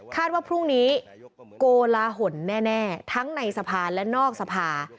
ว่าพรุ่งนี้โกลาหลแน่ทั้งในสภาและนอกสภา